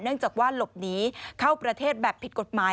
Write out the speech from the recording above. จากว่าหลบหนีเข้าประเทศแบบผิดกฎหมาย